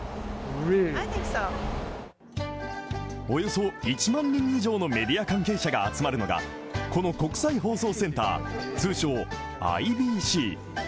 およそ１万人以上のメディア関係者が集まるのが、この国際放送センター、通称胃ＩＢＣ。